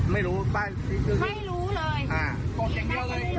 ฉันรอวันนี้มานานแล้ว